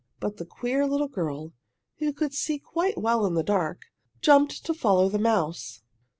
But the queer little girl, who could see quite well in the dark, jumped to follow the mouse.